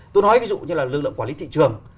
tôi nói ví dụ như là lực lượng quản lý thị trường